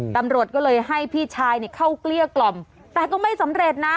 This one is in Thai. ตำรวจก็เลยให้พี่ชายเข้าเกลี้ยกล่อมแต่ก็ไม่สำเร็จนะ